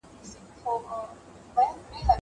زه اوس سبزېجات جمع کوم!